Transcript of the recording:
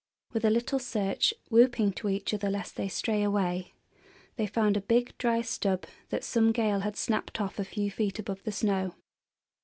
With a little search, whooping to each other lest they stray away, they found a big dry stub that some gale had snapped off a few feet above the snow.